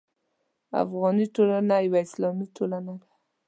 افغاني ټولنه یوه اسلامي ټولنه ده.